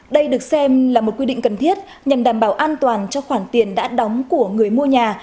đây được xem là một quy định cần thiết nhằm đảm bảo an toàn cho khoản tiền đã đóng của người mua nhà